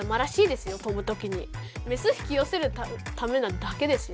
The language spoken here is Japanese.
メス引きよせるためなだけですよ。